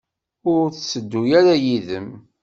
Ur tetteddu ara yid-m?